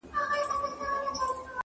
چي ګلاب وي غوړېدلی د سنځلي بوی لګیږي،